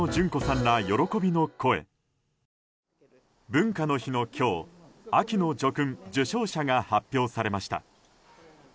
文化の日の今日秋の叙勲受章者が発表されました。